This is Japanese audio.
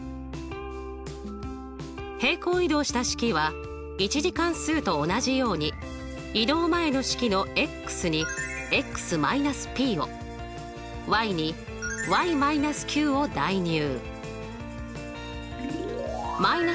平行移動した式は１次関数と同じように移動前の式のに−ｐをに−ｑを代入。